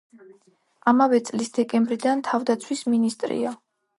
ამავე წლის დეკემბრიდან თავდაცვის მინისტრია.